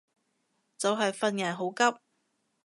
就係份人好急